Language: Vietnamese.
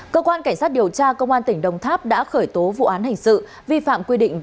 cơ quan cảnh sát điều tra công an tỉnh đồng tháp đã khởi tố vụ án hình sự vi phạm quy định